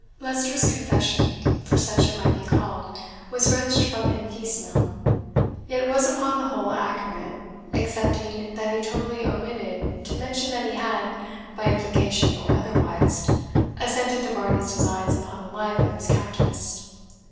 Leicester's confession, for such it might be called, was wrenched from him piecemeal, yet was upon the whole accurate, excepting that he totally omitted to mention that he had, by implication or otherwise, assented to Varney's designs upon the life of his Countess.